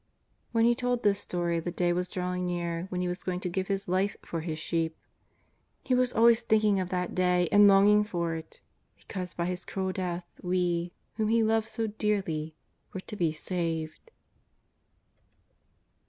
When He told this story the day was drawing near when He was going to give His life for His sheep. He was always think ing of that day and longing for it, because by His cruel death we, whom He loved so dearly, were to be saved.